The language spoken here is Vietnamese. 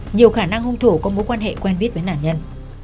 nhiều khả năng hung thủ có mối quan hệ quen biết với nạn nhân